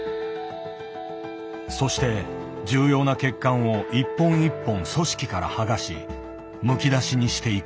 そして重要な血管を一本一本組織から剥がしむき出しにしていく。